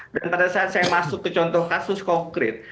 dan pada saat saya masuk ke contoh kasus konkret